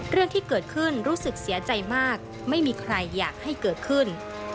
เรื่องที่เกิดขึ้นรู้สึกเสียใจมากไม่มีใครอยากให้เกิดขึ้น